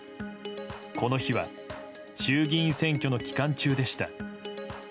この日は衆議院選挙の期間中でした。